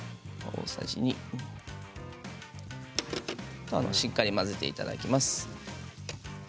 大さじ２しっかり混ぜていただきます。